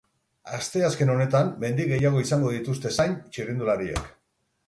Asteazken honetan mendi gehiago izango dituzte zain txirrindulariek.